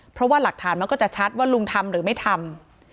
เพราะว่าหลักฐานมันก็จะชัดว่าลุงทำหรือไม่ทำ